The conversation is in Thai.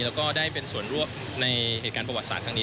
แล้วก็ได้เป็นส่วนร่วมในเหตุการณ์ประวัติศาสตร์ครั้งนี้